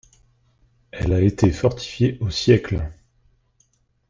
Elle a été fortifiée au siècle.